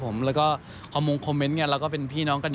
พี่แท็กโพสต์ลูกกับดีเจอะไรอย่างนี้ค่ะ